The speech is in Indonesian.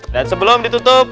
dan sebelum ditutup